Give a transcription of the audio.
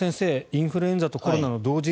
インフルエンザとコロナの同時